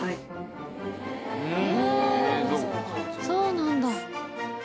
そうなんだ。